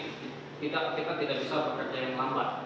kita tidak bisa bekerja yang lambat